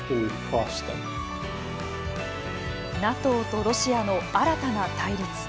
ＮＡＴＯとロシアの新たな対立。